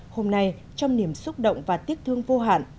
hôm nay trong niềm xúc động và tiếc thương vô hạn